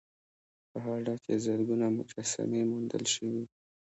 په هډه کې زرګونه مجسمې موندل شوي